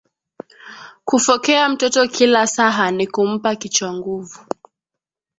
Kufokea mtoto kila saha nikumupa kichwa nguvu